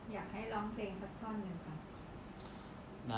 อยากให้ร้องเพลงสักท่อนหนึ่งค่ะ